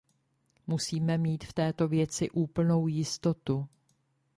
Musíme mít v této věci úplnou jistotu.